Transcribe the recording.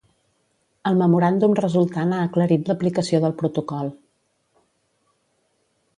El memoràndum resultant ha aclarit l'aplicació del protocol.